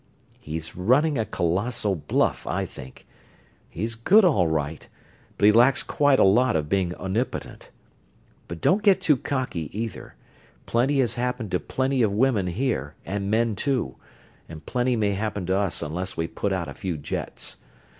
"He's running a colossal bluff, I think. He's good, all right, but he lacks quite a lot of being omnipotent. But don't get too cocky, either. Plenty has happened to plenty of women here, and men too and plenty may happen to us unless we put out a few jets.